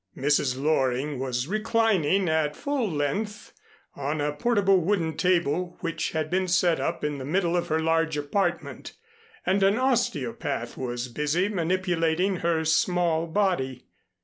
Mrs. Loring was reclining at full length on a portable wooden table which had been set up in the middle of her large apartment, and an osteopath was busy manipulating her small body.